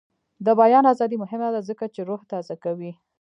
د بیان ازادي مهمه ده ځکه چې روح تازه کوي.